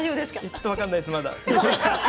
ちょっと分からないですまだ。